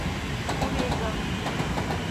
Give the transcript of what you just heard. урегал